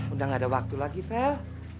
udah nggak ada waktu lagi vel